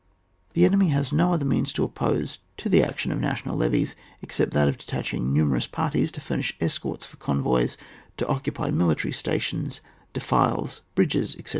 The enemy has no other means to oppose to the action of national levies except that of detaching numerous parties to furnish escorts for convoys to occupy military stations, defiles, bridges, etc.